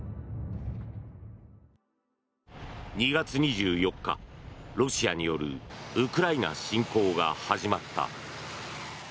２月２４日、ロシアによるウクライナ侵攻が始まった。